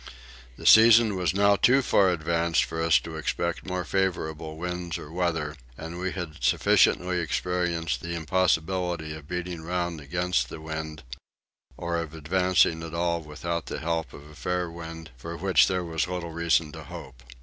The season was now too far advanced for us to expect more favourable winds or weather, and we had sufficiently experienced the impossibility of beating round against the wind, or of advancing at all without the help of a fair wind for which there was little reason to hope.